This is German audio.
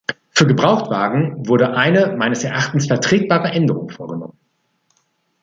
Für Gebrauchtwagen wurde eine meines Erachtens vertretbare Änderung vorgenommen.